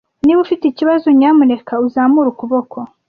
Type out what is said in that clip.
Niba ufite ikibazo, nyamuneka uzamure ukuboko.